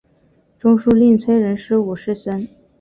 中书令崔仁师五世孙。